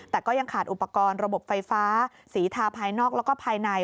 แต่ก็ยังขาดอุปกรณ์ระบบไฟฟ้าสีทาภายนอกแล้วก็ภายใน